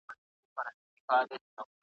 پولیسو د پېښې شواهد راټول کړل.